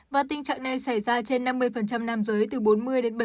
và tình trạng này xảy ra trên năm mươi nam giới từ bốn mươi bảy mươi tuổi